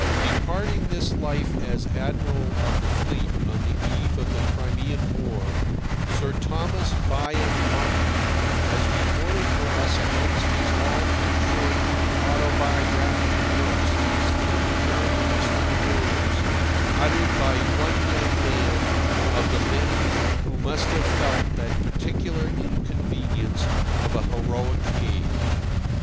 Departing this life as Admiral of the Fleet on the eve of the Crimean War, Sir Thomas Byam Martin has recorded for us amongst his all too short autobiographical notes these few characteristic words uttered by one young man of the many who must have felt that particular inconvenience of a heroic age.